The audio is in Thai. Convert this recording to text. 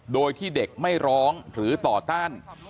โดยที่เด็กไม่ร้องหรือต่อต้าน